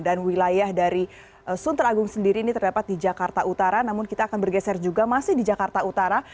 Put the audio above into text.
dan wilayah dari sunteragung sendiri ini terdapat di jakarta utara namun kita akan bergeser juga masih di jakarta utara